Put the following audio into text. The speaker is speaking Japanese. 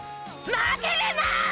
負けるな！